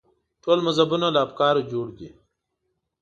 ټول مذهبونه له افکارو جوړ دي.